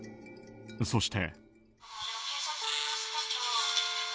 そして。